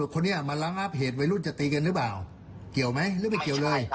เขาก็พูดกันว่าไม่เหมาะสม